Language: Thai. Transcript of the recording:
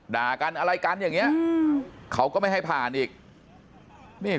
ด่ากันอะไรกันอย่างนี้เขาก็ไม่ให้ผ่านอีกนี่